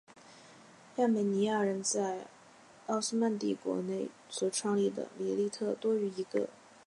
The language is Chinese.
亚美尼亚人在奥斯曼帝国内所创立的米利特多于一个。